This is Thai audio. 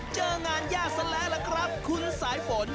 เจอกันงานยากเสียหละครับคุณสายฝน